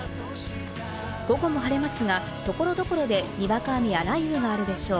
午後も晴れますが、所々でにわか雨や雷雨があるでしょう。